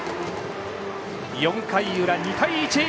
４回裏、２対１。